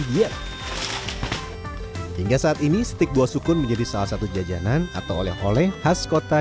diet hingga saat ini stik buah sukun menjadi salah satu jajanan atau oleh oleh khas kota